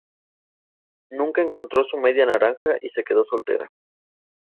Nunca encontró su media naranja y se quedó soltera